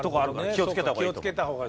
気をつけた方がいいと思う。